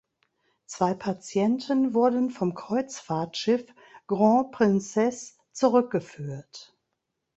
Zwei Patienten wurden vom Kreuzfahrtschiff "Grand Princess" zurückgeführt.